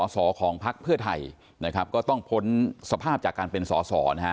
สอของพักเพื่อไทยนะครับก็ต้องพ้นสภาพจากการเป็นสอสอนะฮะ